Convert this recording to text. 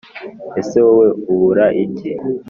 ese wowe ubura iki